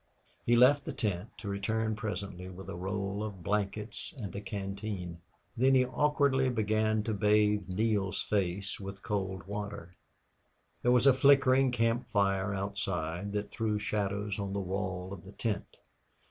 He left the tent, to return presently with a roll of blankets and a canteen. Then he awkwardly began to bathe Neale's face with cold water. There was a flickering camp fire outside that threw shadows on the wall of the tent.